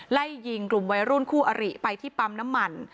ไล่ยิงกลุ่มวัยรุ่นคู่อริไปที่ปั๊มน้ำมัน